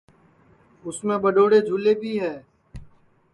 اُس میں ٻڈؔوڑے جھولے بھی ہے